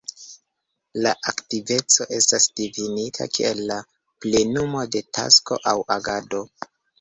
La aktiveco estas difinita kiel la plenumo de tasko aŭ agado.